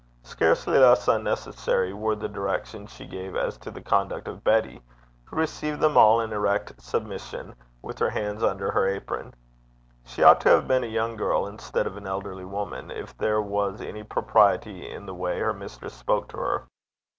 Scarcely less unnecessary were the directions she gave as to the conduct of Betty, who received them all in erect submission, with her hands under her apron. She ought to have been a young girl instead of an elderly woman, if there was any propriety in the way her mistress spoke to her.